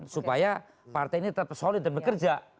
supaya partai ini terpesulit dan bekerja